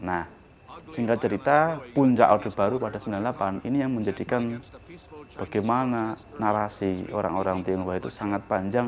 nah singkat cerita puncak orde baru pada seribu sembilan ratus sembilan puluh delapan ini yang menjadikan bagaimana narasi orang orang tionghoa itu sangat panjang